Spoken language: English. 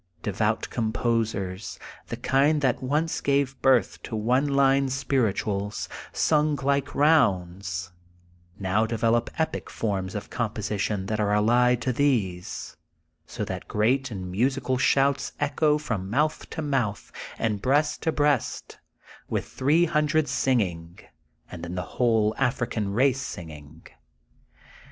Devout compos ers, the kind that once gave birth to one line spirituals, sung like rounds,'* now develop epic forms of composition that are allied to these, so that great and musical shouts echo from mouth to mouth and breast to breast with three hundred singing, and then the whole African race singing.